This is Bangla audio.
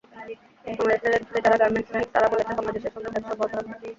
বাংলাদেশ থেকে যারা গার্মেন্টস নেন, তারা বলেছে, বাংলাদেশ সঙ্গে ব্যবসা অব্যাহত রাখবে।